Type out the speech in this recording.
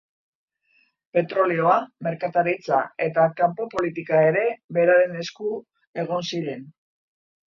Petrolioa, merkataritza eta kanpo-politika ere beraren esku egon ziren.